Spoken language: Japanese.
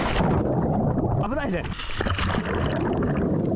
危ないね。